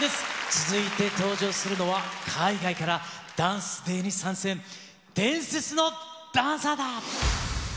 続いて登場するのは、海外からＤＡＮＣＥＤＡＹに参戦、伝説のダンサーだ。